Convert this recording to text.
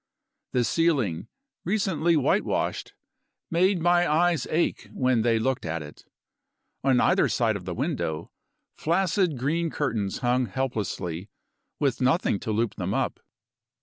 The ceiling, recently whitewashed; made my eyes ache when they looked at it. On either side of the window, flaccid green curtains hung helplessly with nothing to loop them up.